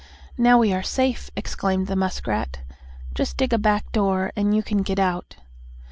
"Now we are safe!" exclaimed the muskrat. "Just dig a back door and you can get out."